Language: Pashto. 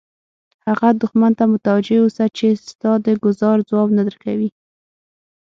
هغه دښمن ته متوجه اوسه چې ستا د ګوزار ځواب نه درکوي.